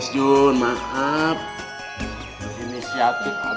saya kutip itu menggunakan penumpang ini